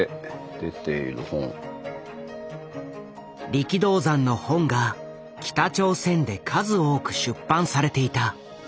力道山の本が北朝鮮で数多く出版されていた。